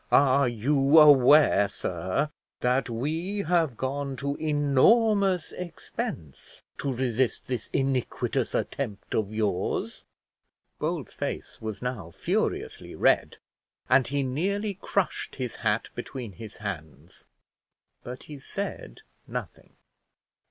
Are you aware, sir, that we have gone to enormous expense to resist this iniquitous attempt of yours?" Bold's face was now furiously red, and he nearly crushed his hat between his hands; but he said nothing.